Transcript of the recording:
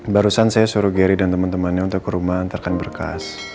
barusan saya suruh gary dan temen temennya untuk ke rumah antarkan berkas